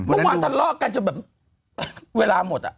วันทะเลาะกันจะแบบเวลาหมดอะ